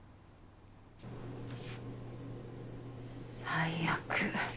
最悪。